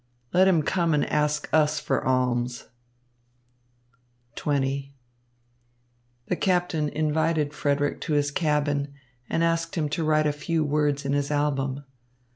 Let him come and ask us for alms." XX The captain invited Frederick to his cabin and asked him to write a few words in his album.